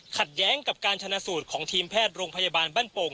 แย้งกับการชนะสูตรของทีมแพทย์โรงพยาบาลบ้านโป่ง